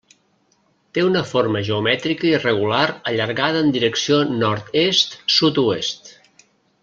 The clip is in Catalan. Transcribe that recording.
Té una forma geomètrica irregular allargada en direcció nord-est sud-oest.